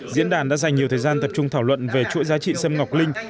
diễn đàn đã dành nhiều thời gian tập trung thảo luận về chuỗi giá trị sâm ngọc linh